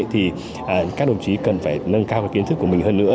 thì các đồng chí cần phải nâng cao kiến thức của mình hơn nữa